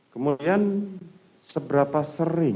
kemudian seberapa sering